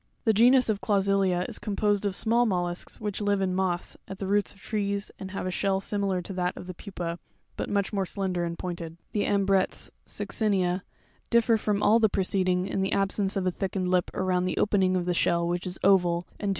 17. The genus of Ciausiiia is composed of small mollusks which live in moss, at the roots of trees, and have a shell similar to that of the Pupa, but much more slender and pointed (fig. 25). Fig. 25. 18, The Ampretres—Succinea—differ from all ciausiua the preceding in the absence of a thickened lip around Lavis. the opening of the shell, which is oval, and too small Fig.